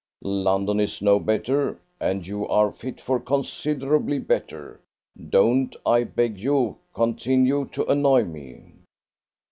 London is no better, and you are fit for considerably better. Don't, I beg you, continue to annoy me.